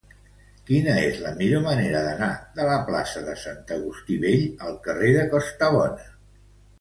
Quina és la millor manera d'anar de la plaça de Sant Agustí Vell al carrer de Costabona?